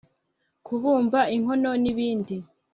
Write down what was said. kubumba inkono n’ibibindi